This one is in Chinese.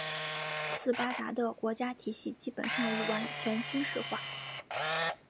斯巴达的国家体系基本上已完全军事化。